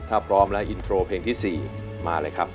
ถ้าพร้อมแล้วอินโทรเพลงที่๔มาเลยครับ